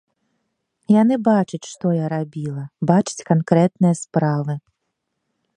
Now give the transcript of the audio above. Яны бачаць, што я рабіла, бачаць канкрэтныя справы.